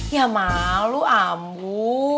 ya malu ambu